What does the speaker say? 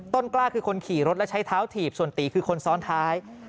กล้าคือคนขี่รถและใช้เท้าถีบส่วนตีคือคนซ้อนท้าย